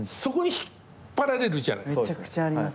めちゃくちゃあります。